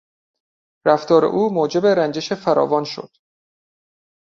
رفتار او موجب رنجش فراوان شد.